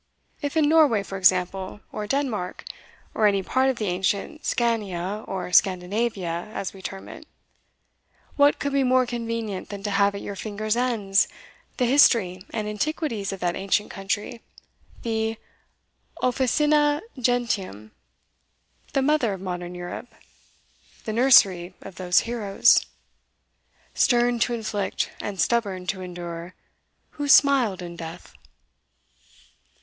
If in Norway, for example, or Denmark, or any part of the ancient Scania, or Scandinavia, as we term it, what could be more convenient than to have at your fingers' ends the history and antiquities of that ancient country, the officina gentium, the mother of modern Europe, the nursery of those heroes, Stern to inflict, and stubborn to endure, Who smiled in death?